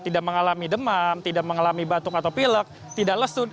tidak mengalami demam tidak mengalami batuk atau pilek tidak lesun